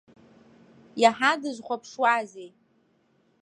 Иаҳа дызхәаԥшуазеи?